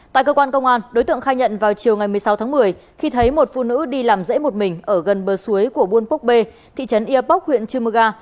tại cơ quan công an đối tượng khai nhận vào chiều ngày một mươi sáu tháng một mươi khi thấy một phụ nữ đi làm dễ một mình ở gần bờ suối của buôn púc bê thị trấn yê póc huyện chimoga